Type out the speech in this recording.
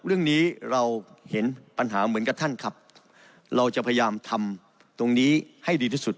เรื่องนี้เราเห็นปัญหาเหมือนกับท่านครับเราจะพยายามทำตรงนี้ให้ดีที่สุด